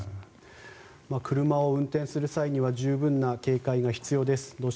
車を運転する際には十分な警戒が必要です。